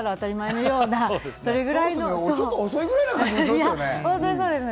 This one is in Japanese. ちょっと遅いぐらいの感じするよね。